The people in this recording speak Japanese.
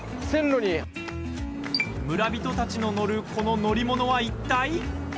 村人たちの乗るこの乗り物はいったい？